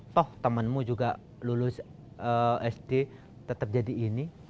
toh temenmu juga lulus sd tetap jadi ini